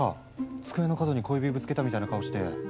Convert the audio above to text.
机の角に小指ぶつけたみたいな顔して。